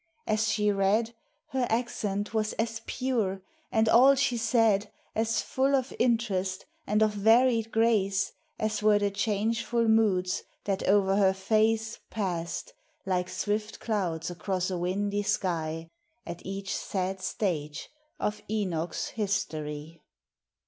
As she read, Her accent was as pure, and all she said As full of interest and of varied grace As were the changeful moods, that o'er her face Passed, like swift clouds across a windy sky, At each sad stage of Enoch's history.